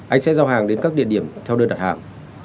anh sẽ giao hàng đến các địa điểm theo đơn đặt hàng